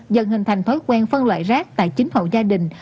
dần hình thành thói quen phân loại rác tại chính hộ gia đình